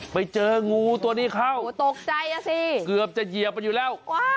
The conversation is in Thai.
ไปเจองูตัวนี้เข้าเกือบจะเหยียบมันอยู่แล้ว